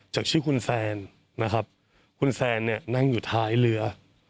จากชื่อคุณแซนนะครับคุณแซนเนี่ยนั่งอยู่ท้ายเรือ